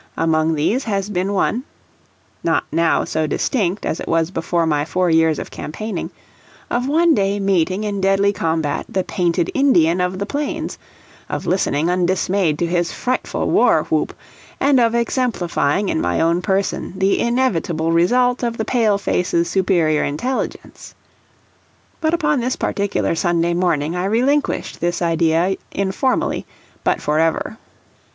Among these has been one not now so distinct as it was before my four years of campaigning of one day meeting in deadly combat the painted Indian of the plains; of listening undismayed to his frightful war whoop, and of exemplifying in my own person the inevitable result of the pale face's superior intelligence. But upon this particular Sunday morning I relinquished this idea informally, but forever.